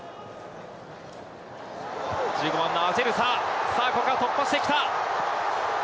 １５番のアゼルサ、さあ、ここから突破してきた。